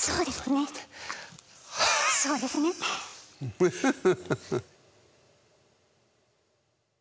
フフフフ。